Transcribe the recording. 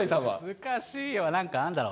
難しいよ、なんかあるんだろう。